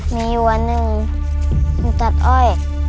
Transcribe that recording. มีวันหนึ่งมันจัดอ้อย